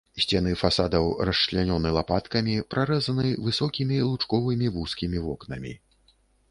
Сцены фасадаў расчлянёны лапаткамі, прарэзаны высокімі лучковымі вузкімі вокнамі.